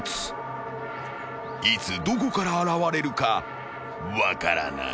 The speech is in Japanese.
［いつどこから現れるか分からない］